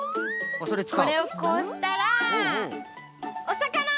これをこうしたらおさかな！